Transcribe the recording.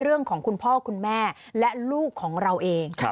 คุณพ่อคุณแม่และลูกของเราเอง